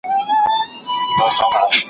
ولې د تاريخ حقايق کله کله پټ ساتل کېږي؟